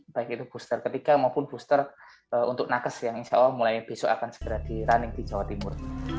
baik itu booster ketiga maupun booster untuk nakes yang insya allah mulai besok akan segera di running di jawa timur